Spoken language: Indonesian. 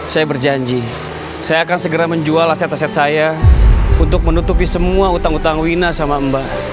saya berjanji saya akan segera menjual aset aset saya untuk menutupi semua utang utang wina sama mbak